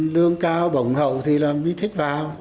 thương cao bổng hậu thì mới thích vào